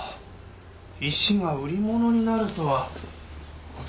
石が売り物になるとは驚きです。